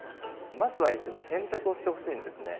まずは一度洗濯をしてほしいんですね。